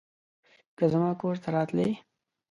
که زما کور ته راتلې